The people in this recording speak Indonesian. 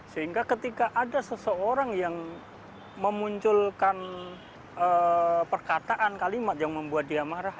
sehingga ketika ada seseorang yang memunculkan perkataan kalimat yang membuat dia marah